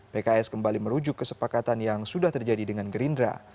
pks kembali merujuk kesepakatan yang sudah terjadi dengan gerindra